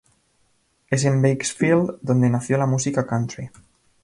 Es en Bakersfield donde nació la música country.